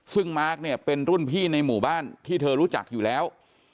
ซึ่งมาร์คเนี่ยเป็นรุ่นพี่ในหมู่บ้านที่เธอรู้จักอยู่แล้ว